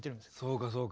そうかそうか。